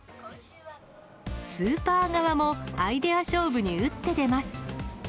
スーパー側も、アイデア勝負に打って出ます。